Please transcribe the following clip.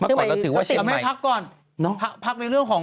เชียงใหม่เราถือว่าเชียงใหม่เอาแม่พักก่อน